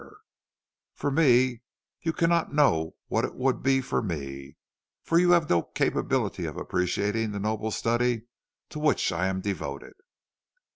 While for me you cannot know what it would be for me, for you have no capability for appreciating the noble study to which I am devoted.'